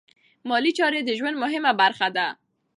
مالي چارې د ژوند مهمه برخه ده.